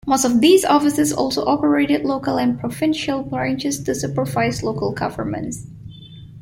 Most of these offices also operated local and provincial branches to supervise local governments.